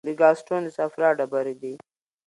د ګال سټون د صفرا ډبرې دي.